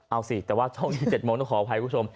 เอาสิแต่ว่าช่วงนี้๗โมงต้องขออภัยคุณผู้ชม